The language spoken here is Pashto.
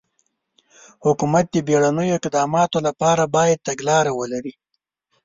حکومت د بېړنیو اقداماتو لپاره باید تګلاره ولري.